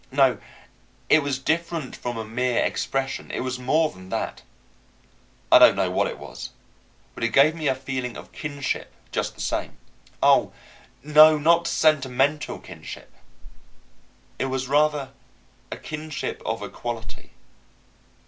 No; it was different from a mere expression; it was more than that. I don't know what it was, but it gave me a feeling of kinship just the same. Oh, no, not sentimental kinship. It was, rather, a kinship of equality.